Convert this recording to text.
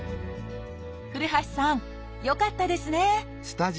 古橋さんよかったですね！